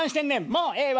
もうええわ。